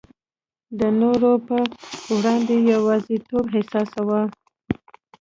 د نورو په وړاندي یوازیتوب احساسوو.